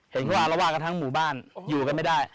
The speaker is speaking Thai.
เห็นก็ว่าแล้วก็ทั้งหมู่บ้านอยู่กันไม่ได้